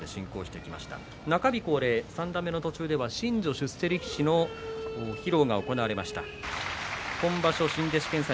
中日恒例、三段目の途中では新序出世力士披露が行われました。